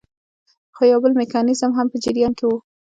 خو یو بل میکانیزم هم په جریان کې وو.